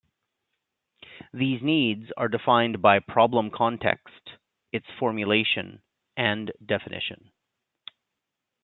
These needs are defined by problem context, its formulation and definition.